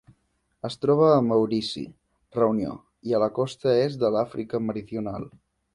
Es troba a Maurici, Reunió i a la costa est de l'Àfrica meridional.